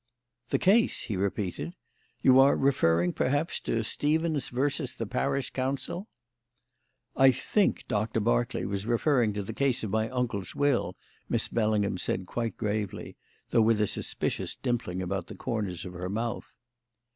"The case?" he repeated. "You are referring, perhaps, to Stevens versus the Parish Council?" "I think Doctor Berkeley was referring to the case of my uncle's will," Miss Bellingham said quite gravely, though with a suspicious dimpling about the corners of her mouth.